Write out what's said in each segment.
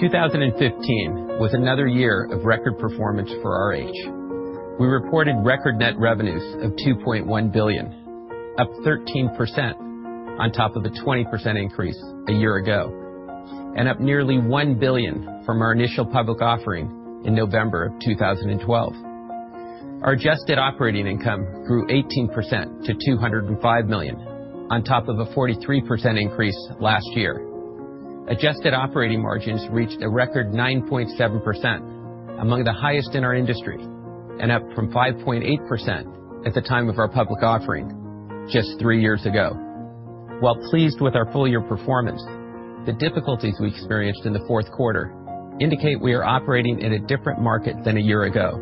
2015 was another year of record performance for RH. We reported record net revenues of $2.1 billion, up 13% on top of a 20% increase a year ago, and up nearly $1 billion from our initial public offering in November of 2012. Our adjusted operating income grew 18% to $205 million, on top of a 43% increase last year. Adjusted operating margins reached a record 9.7%, among the highest in our industry, and up from 5.8% at the time of our public offering just three years ago. While pleased with our full year performance, the difficulties we experienced in the fourth quarter indicate we are operating in a different market than a year ago,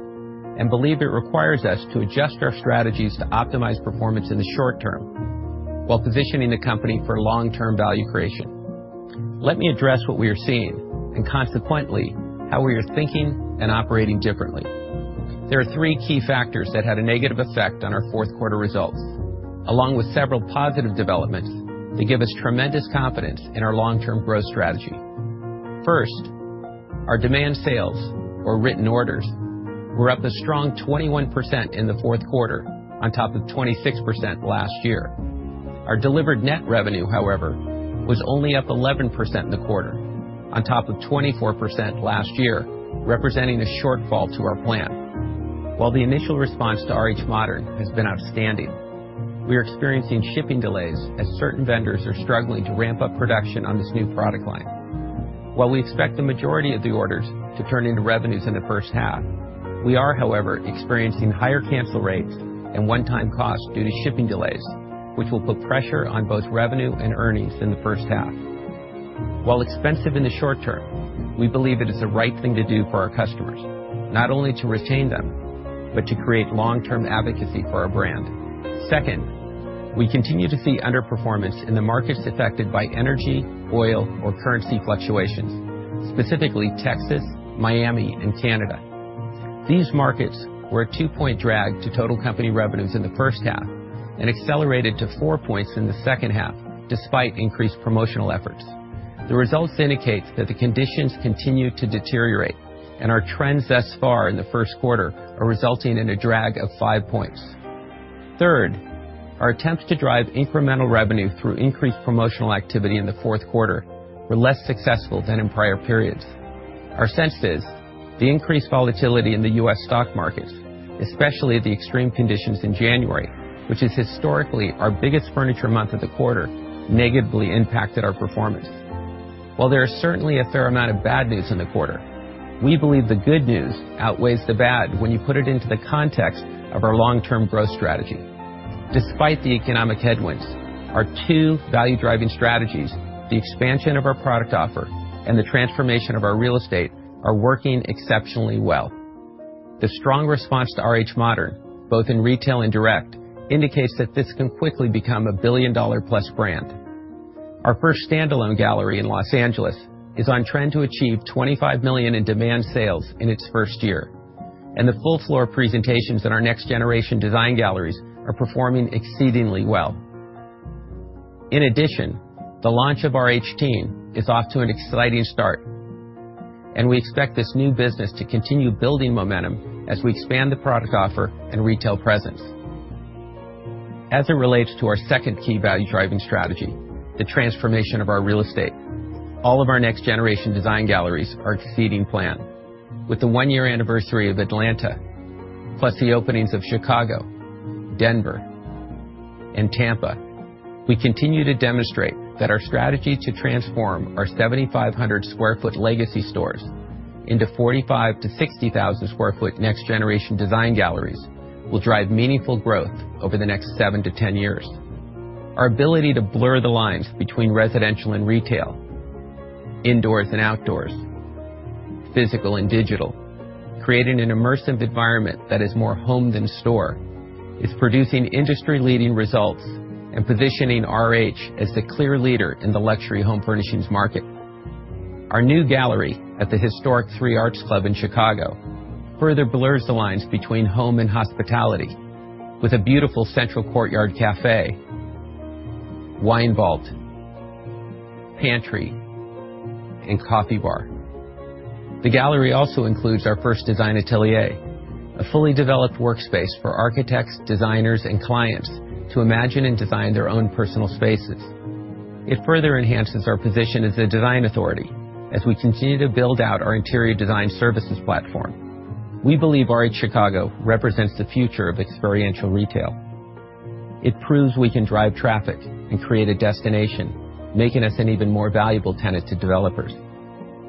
and believe it requires us to adjust our strategies to optimize performance in the short term while positioning the company for long-term value creation. Let me address what we are seeing, and consequently, how we are thinking and operating differently. There are three key factors that had a negative effect on our fourth quarter results, along with several positive developments that give us tremendous confidence in our long-term growth strategy. First, our demand sales, or written orders, were up a strong 21% in the fourth quarter, on top of 26% last year. Our delivered net revenue, however, was only up 11% in the quarter, on top of 24% last year, representing a shortfall to our plan. While the initial response to RH Modern has been outstanding, we are experiencing shipping delays as certain vendors are struggling to ramp up production on this new product line. While we expect the majority of the orders to turn into revenues in the first half, we are, however, experiencing higher cancel rates and one-time costs due to shipping delays, which will put pressure on both revenue and earnings in the first half. While expensive in the short term, we believe it is the right thing to do for our customers, not only to retain them, but to create long-term advocacy for our brand. Second, we continue to see underperformance in the markets affected by energy, oil, or currency fluctuations, specifically Texas, Miami, and Canada. These markets were a two-point drag to total company revenues in the first half and accelerated to four points in the second half, despite increased promotional efforts. The results indicate that the conditions continue to deteriorate, and our trends thus far in the first quarter are resulting in a drag of five points. Third, our attempts to drive incremental revenue through increased promotional activity in the fourth quarter were less successful than in prior periods. Our sense is the increased volatility in the U.S. stock market, especially the extreme conditions in January, which is historically our biggest furniture month of the quarter, negatively impacted our performance. While there is certainly a fair amount of bad news in the quarter, we believe the good news outweighs the bad when you put it into the context of our long-term growth strategy. Despite the economic headwinds, our two value-driving strategies, the expansion of our product offer and the transformation of our real estate, are working exceptionally well. The strong response to RH Modern, both in retail and direct, indicates that this can quickly become a billion-dollar-plus brand. Our first standalone gallery in Los Angeles is on trend to achieve $25 million in demand sales in its first year. The full floor presentations in our Next-Generation Design Galleries are performing exceedingly well. In addition, the launch of RH Teen is off to an exciting start, and we expect this new business to continue building momentum as we expand the product offer and retail presence. As it relates to our second key value-driving strategy, the transformation of our real estate, all of our Next-Generation Design Galleries are exceeding plan. With the one-year anniversary of Atlanta, plus the openings of Chicago, Denver, and Tampa, we continue to demonstrate that our strategy to transform our 7,500 sq ft legacy stores into 45,000 sq ft-60,000 sq ft Next-Generation Design Galleries will drive meaningful growth over the next seven to 10 years. Our ability to blur the lines between residential and retail, indoors and outdoors, physical and digital, creating an immersive environment that is more home than store, is producing industry-leading results and positioning RH as the clear leader in the luxury home furnishings market. Our new gallery at the historic Three Arts Club in Chicago further blurs the lines between home and hospitality with a beautiful central courtyard cafe, wine vault, pantry, and coffee bar. The gallery also includes our first Design Atelier, a fully developed workspace for architects, designers, and clients to imagine and design their own personal spaces. It further enhances our position as a design authority as we continue to build out our interior design services platform. We believe RH Chicago represents the future of experiential retail. It proves we can drive traffic and create a destination, making us an even more valuable tenant to developers.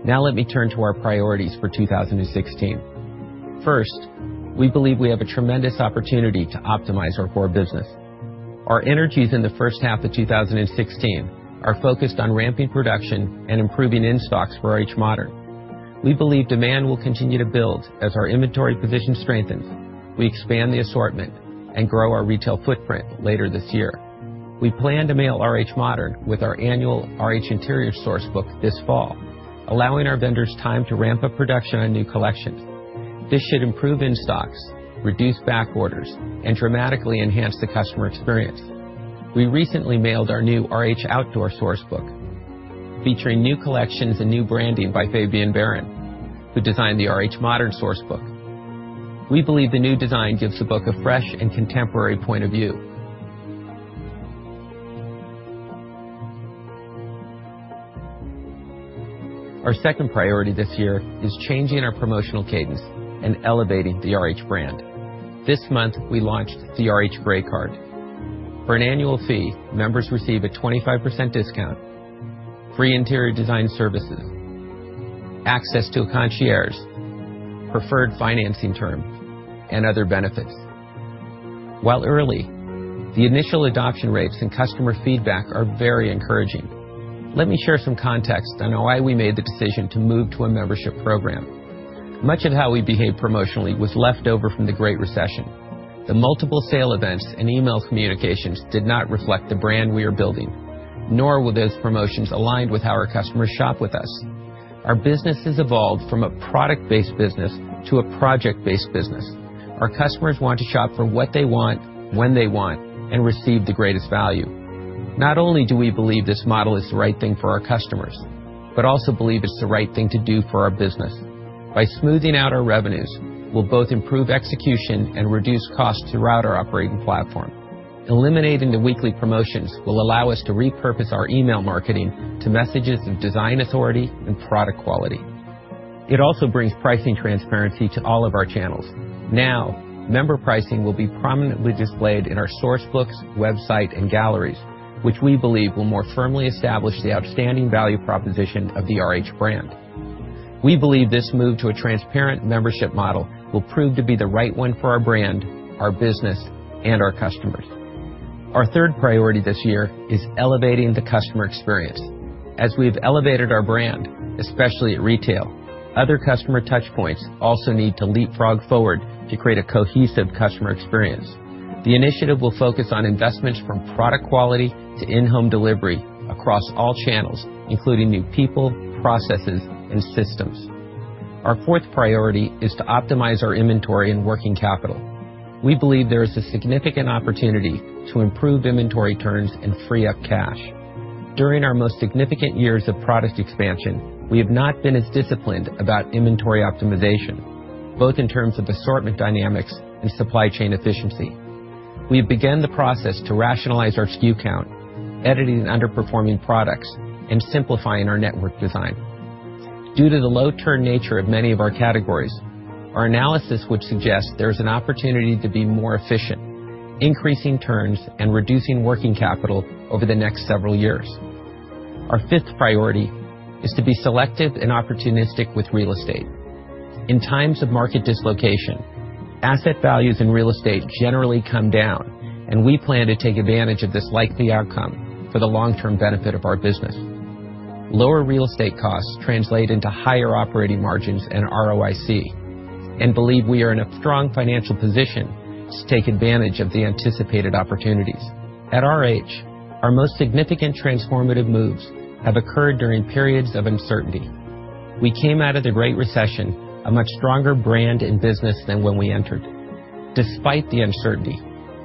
Now let me turn to our priorities for 2016. First, we believe we have a tremendous opportunity to optimize our core business. Our energies in the first half of 2016 are focused on ramping production and improving in-stocks for RH Modern. We believe demand will continue to build as our inventory position strengthens, we expand the assortment, and grow our retail footprint later this year. We plan to mail RH Modern with our annual RH Interiors Sourcebook this fall, allowing our vendors time to ramp up production on new collections. This should improve in-stocks, reduce back orders, and dramatically enhance the customer experience. We recently mailed our new RH Outdoor Sourcebook, featuring new collections and new branding by Fabien Baron, who designed the RH Modern Sourcebook. We believe the new design gives the book a fresh and contemporary point of view. Our second priority this year is changing our promotional cadence and elevating the RH brand. This month, we launched the RH Grey Card. For an annual fee, members receive a 25% discount, free interior design services, access to a concierge, preferred financing terms, and other benefits. While early, the initial adoption rates and customer feedback are very encouraging. Let me share some context on why we made the decision to move to a membership program. Much of how we behaved promotionally was left over from the Great Recession. The multiple sale events and email communications did not reflect the brand we are building, nor were those promotions aligned with how our customers shop with us. Our business has evolved from a product-based business to a project-based business. Our customers want to shop for what they want, when they want, and receive the greatest value. Not only do we believe this model is the right thing for our customers, but also believe it's the right thing to do for our business. By smoothing out our revenues, we'll both improve execution and reduce costs throughout our operating platform. Eliminating the weekly promotions will allow us to repurpose our email marketing to messages of design authority and product quality. It also brings pricing transparency to all of our channels. Now, member pricing will be prominently displayed in our Sourcebooks, website, and galleries, which we believe will more firmly establish the outstanding value proposition of the RH brand. We believe this move to a transparent membership model will prove to be the right one for our brand, our business, and our customers. Our third priority this year is elevating the customer experience. As we've elevated our brand, especially at retail, other customer touchpoints also need to leapfrog forward to create a cohesive customer experience. The initiative will focus on investments from product quality to in-home delivery across all channels, including new people, processes, and systems. Our fourth priority is to optimize our inventory and working capital. We believe there is a significant opportunity to improve inventory turns and free up cash. During our most significant years of product expansion, we have not been as disciplined about inventory optimization, both in terms of assortment dynamics and supply chain efficiency. We have begun the process to rationalize our SKU count, editing underperforming products, and simplifying our network design. Due to the low-turn nature of many of our categories, our analysis would suggest there's an opportunity to be more efficient, increasing turns and reducing working capital over the next several years. Our fifth priority is to be selective and opportunistic with real estate. In times of market dislocation, asset values in real estate generally come down. We plan to take advantage of this likely outcome for the long-term benefit of our business. Lower real estate costs translate into higher operating margins and ROIC. We believe we are in a strong financial position to take advantage of the anticipated opportunities. At RH, our most significant transformative moves have occurred during periods of uncertainty. We came out of the Great Recession a much stronger brand and business than when we entered. Despite the uncertainty,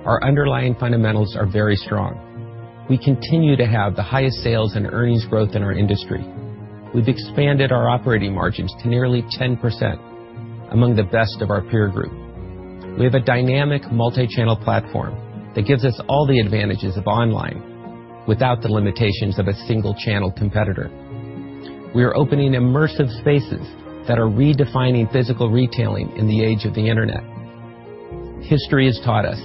our underlying fundamentals are very strong. We continue to have the highest sales and earnings growth in our industry. We've expanded our operating margins to nearly 10%, among the best of our peer group. We have a dynamic multi-channel platform that gives us all the advantages of online without the limitations of a single-channel competitor. We are opening immersive spaces that are redefining physical retailing in the age of the Internet. History has taught us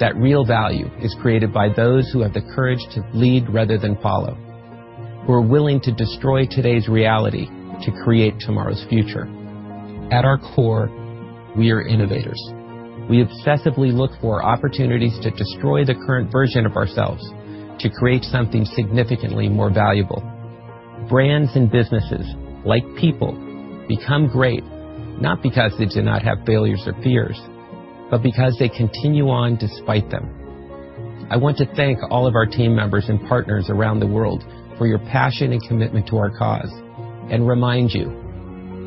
that real value is created by those who have the courage to lead rather than follow, who are willing to destroy today's reality to create tomorrow's future. At our core, we are innovators. We obsessively look for opportunities to destroy the current version of ourselves to create something significantly more valuable. Brands and businesses, like people, become great not because they do not have failures or fears, but because they continue on despite them. I want to thank all of our team members and partners around the world for your passion and commitment to our cause and remind you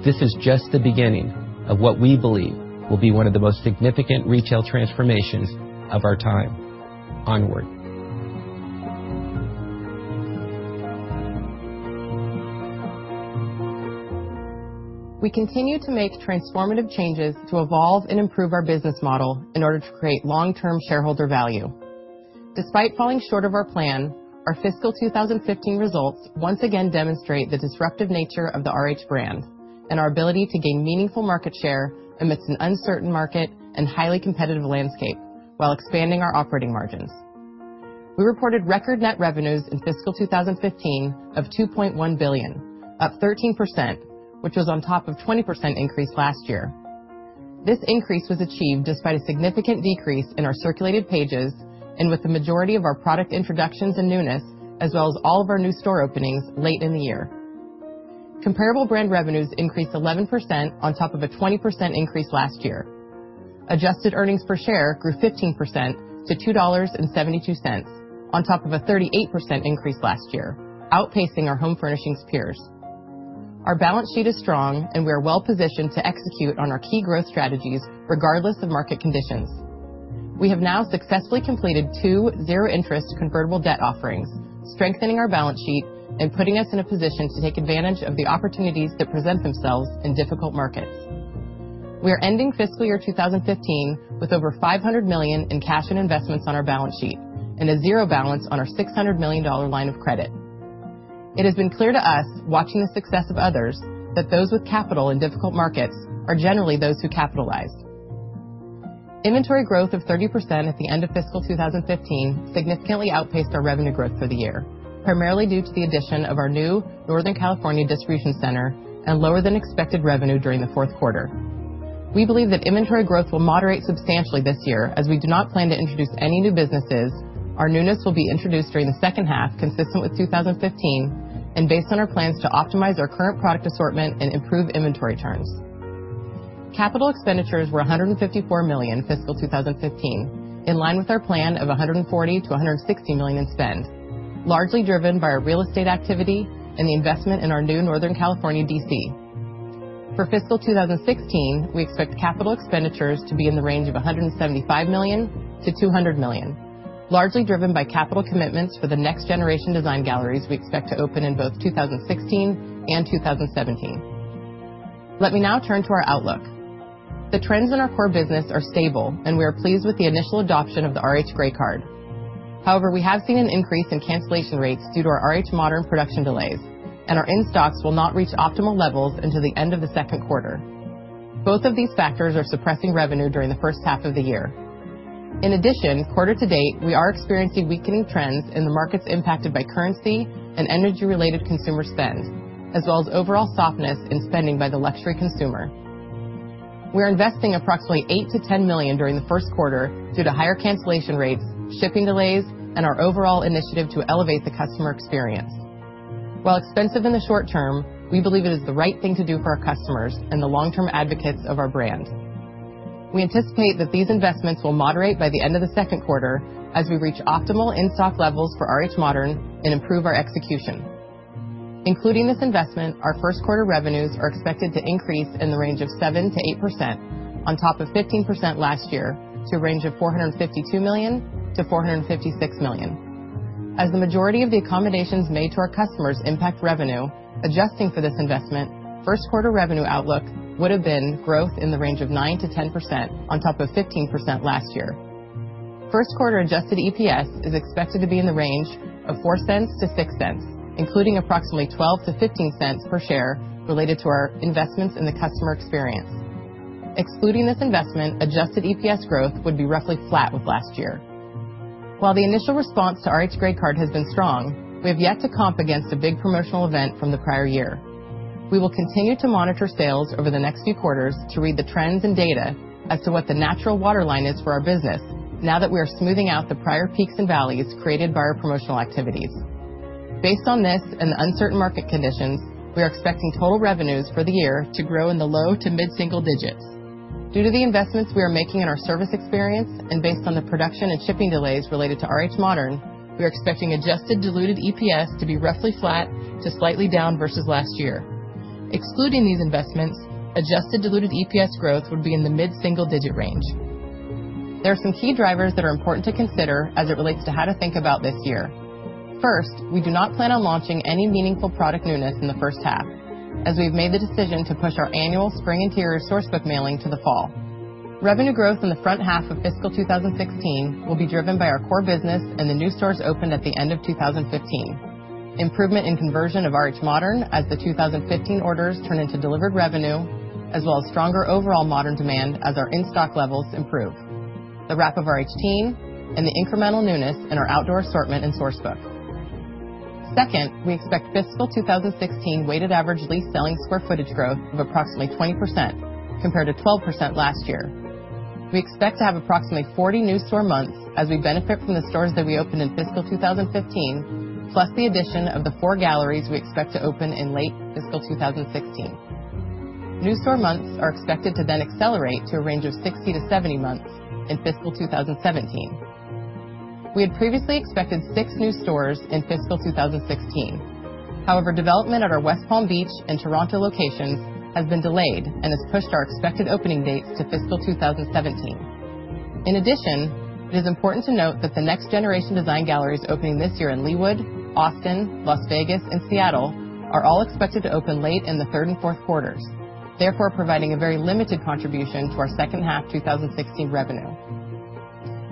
this is just the beginning of what we believe will be one of the most significant retail transformations of our time. Onward. We continue to make transformative changes to evolve and improve our business model in order to create long-term shareholder value. Despite falling short of our plan, our fiscal 2015 results once again demonstrate the disruptive nature of the RH brand and our ability to gain meaningful market share amidst an uncertain market and highly competitive landscape while expanding our operating margins. We reported record net revenues in fiscal 2015 of $2.1 billion, up 13%, which was on top of 20% increase last year. This increase was achieved despite a significant decrease in our circulated pages and with the majority of our product introductions and newness, as well as all of our new store openings late in the year. Comparable brand revenues increased 11% on top of a 20% increase last year. Adjusted earnings per share grew 15% to $2.72 on top of a 38% increase last year, outpacing our home furnishings peers. Our balance sheet is strong, and we are well-positioned to execute on our key growth strategies regardless of market conditions. We have now successfully completed two zero-interest convertible debt offerings, strengthening our balance sheet and putting us in a position to take advantage of the opportunities that present themselves in difficult markets. We are ending fiscal year 2015 with over $500 million in cash and investments on our balance sheet and a zero balance on our $600 million line of credit. It has been clear to us, watching the success of others, that those with capital in difficult markets are generally those who capitalize. Inventory growth of 30% at the end of fiscal 2015 significantly outpaced our revenue growth for the year, primarily due to the addition of our new Northern California distribution center and lower than expected revenue during the fourth quarter. We believe that inventory growth will moderate substantially this year as we do not plan to introduce any new businesses, our newness will be introduced during the second half consistent with 2015 and based on our plans to optimize our current product assortment and improve inventory turns. Capital expenditures were $154 million fiscal 2015, in line with our plan of $140 million-$160 million in spend, largely driven by our real estate activity and the investment in our new Northern California DC. For fiscal 2016, we expect capital expenditures to be in the range of $175 million-$200 million, largely driven by capital commitments for the Next-Generation Design Galleries we expect to open in both 2016 and 2017. Let me now turn to our outlook. The trends in our core business are stable, and we are pleased with the initial adoption of the RH Grey Card. We have seen an increase in cancellation rates due to our RH Modern production delays, and our in-stocks will not reach optimal levels until the end of the second quarter. Both of these factors are suppressing revenue during the first half of the year. Quarter-to-date, we are experiencing weakening trends in the markets impacted by currency and energy-related consumer spend, as well as overall softness in spending by the luxury consumer. We are investing approximately $8 million-$10 million during the first quarter due to higher cancellation rates, shipping delays, and our overall initiative to elevate the customer experience. While expensive in the short term, we believe it is the right thing to do for our customers and the long-term advocates of our brand. We anticipate that these investments will moderate by the end of the second quarter as we reach optimal in-stock levels for RH Modern and improve our execution. Including this investment, our first quarter revenues are expected to increase in the range of 7%-8% on top of 15% last year, to a range of $452 million-$456 million. The majority of the accommodations made to our customers impact revenue, adjusting for this investment, first quarter revenue outlook would have been growth in the range of 9%-10% on top of 15% last year. First quarter adjusted EPS is expected to be in the range of $0.04-$0.06, including approximately $0.12-$0.15 per share related to our investments in the customer experience. Excluding this investment, adjusted EPS growth would be roughly flat with last year. The initial response to RH Grey Card has been strong, we have yet to comp against a big promotional event from the prior year. We will continue to monitor sales over the next few quarters to read the trends and data as to what the natural waterline is for our business now that we are smoothing out the prior peaks and valleys created by our promotional activities. Based on this and the uncertain market conditions, we are expecting total revenues for the year to grow in the low to mid-single digits. The investments we are making in our service experience and based on the production and shipping delays related to RH Modern, we are expecting adjusted diluted EPS to be roughly flat to slightly down versus last year. Excluding these investments, adjusted diluted EPS growth would be in the mid-single digit range. There are some key drivers that are important to consider as it relates to how to think about this year. We do not plan on launching any meaningful product newness in the first half, as we've made the decision to push our annual spring Interiors Sourcebook mailing to the fall. Revenue growth in the front half of fiscal 2016 will be driven by our core business and the new stores opened at the end of 2015. Improvement in conversion of RH Modern as the 2015 orders turn into delivered revenue, as well as stronger overall modern demand as our in-stock levels improve. The wrap of RH Teen and the incremental newness in our outdoor assortment and source book. Second, we expect fiscal 2016 weighted average lease selling square footage growth of approximately 20%, compared to 12% last year. We expect to have approximately 40 new store months as we benefit from the stores that we opened in fiscal 2015, plus the addition of the four galleries we expect to open in late fiscal 2016. New store months are expected to then accelerate to a range of 60-70 months in fiscal 2017. We had previously expected six new stores in fiscal 2016. However, development at our West Palm Beach and Toronto locations has been delayed and has pushed our expected opening dates to fiscal 2017. In addition, it is important to note that the Next-Generation Design Galleries opening this year in Leawood, Austin, Las Vegas, and Seattle are all expected to open late in the third and fourth quarters, therefore providing a very limited contribution to our second half 2016 revenue.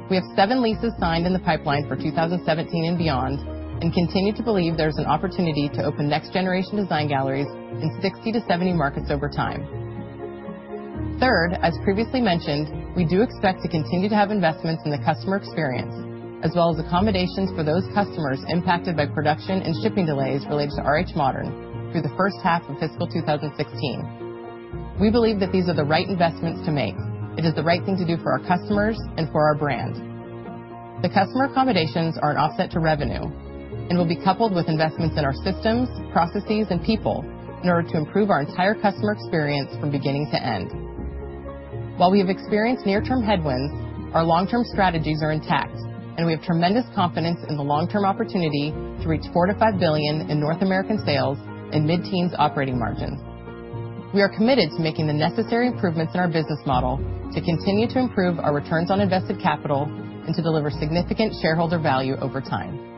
We have seven leases signed in the pipeline for 2017 and beyond and continue to believe there's an opportunity to open Next-Generation Design Galleries in 60-70 markets over time. Third, as previously mentioned, we do expect to continue to have investments in the customer experience, as well as accommodations for those customers impacted by production and shipping delays related to RH Modern through the first half of fiscal 2016. We believe that these are the right investments to make. It is the right thing to do for our customers and for our brand. The customer accommodations are an offset to revenue and will be coupled with investments in our systems, processes, and people in order to improve our entire customer experience from beginning to end. While we have experienced near-term headwinds, our long-term strategies are intact, and we have tremendous confidence in the long-term opportunity to reach $4 billion-$5 billion in North American sales and mid-teens operating margins. We are committed to making the necessary improvements in our business model to continue to improve our returns on invested capital and to deliver significant shareholder value over time.